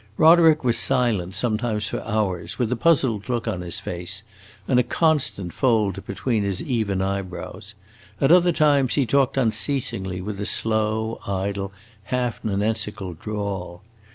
Roderick was silent sometimes for hours, with a puzzled look on his face and a constant fold between his even eyebrows; at other times he talked unceasingly, with a slow, idle, half nonsensical drawl.